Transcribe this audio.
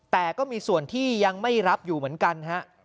แต่ก็มีส่วนที่ยังไม่รับอยู่เหมือนกันฮะ